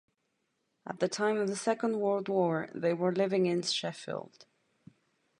At the time of the Second World War they were living in Sheffield.